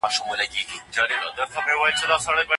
عمری ډاکو د هغه ناول مرکزي کرکټر و.